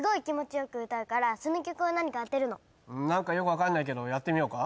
クイズ何それなんかよくわかんないけどやってみようか？